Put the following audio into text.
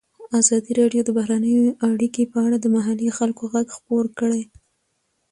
ازادي راډیو د بهرنۍ اړیکې په اړه د محلي خلکو غږ خپور کړی.